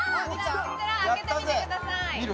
こちら開けてみてください見る？